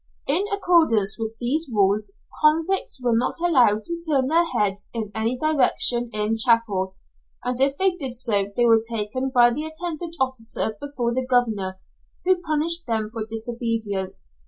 In accordance with these rules, convicts were not allowed to turn their heads in any direction in chapel, and if they did so they were taken by the attendant officer before the governor, who punished them for disobedience.